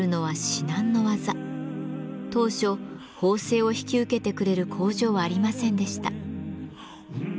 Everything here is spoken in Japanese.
当初縫製を引き受けてくれる工場はありませんでした。